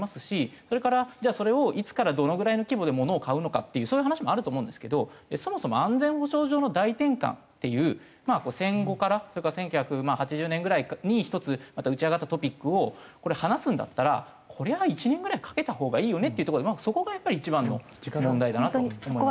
それからじゃあそれをいつからどのぐらいの規模で物を買うのかっていうそういう話もあると思うんですけどそもそも安全保障上の大転換っていう戦後からそれから１９８０年ぐらいに１つまた打ち上がったトピックをこれ話すんだったらこりゃ１年ぐらいかけたほうがいいよねっていうとこでそこがやっぱり一番の問題だなと思いますね。